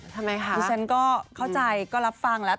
ทำไมคะดิฉันก็เข้าใจก็รับฟังแล้ว